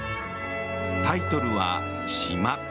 タイトルは「島」。